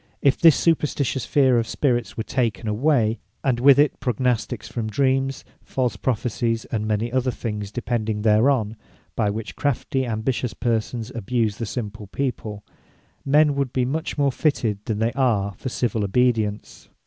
If this superstitious fear of Spirits were taken away, and with it, Prognostiques from Dreams, false Prophecies, and many other things depending thereon, by which, crafty ambitious persons abuse the simple people, men would be much more fitted than they are for civill Obedience.